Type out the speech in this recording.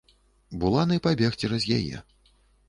Буланы пабег цераз яе.